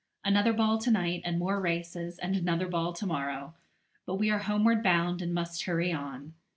Another ball to night, and more races, and another ball to morrow; but we are homeward bound, and must hurry on.